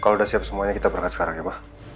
kalau udah siap semuanya kita berangkat sekarang ya mak